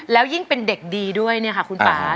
แล้วยิ่งเป็นเด็กดีด้วยเนี่ยค่ะคุณป่า